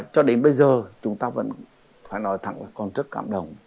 cho đến bây giờ chúng ta vẫn phải nói thẳng là còn rất cảm động